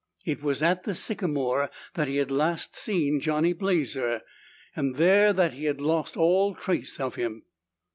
It was at the sycamore that he had last seen Johnny Blazer, and there that he had lost all trace of him.